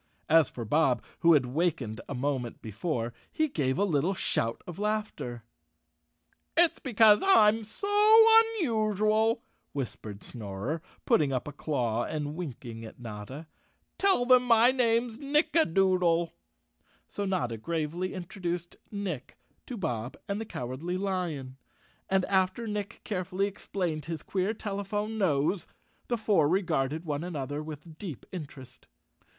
As for Bob, who had wakened a moment before, he gave a little shout of laughter. "It's because I'm so unusual," whispered Snorer, 162 Chapter Twelve putting up a claw and winking at Notta. "Tell them my name's Nickadoodle." So Notta gravely introduced Nick to Bob and the Cowardly Lion and, after Nick carefully explained his queer telephone nose, the four regarded one another with deep interest.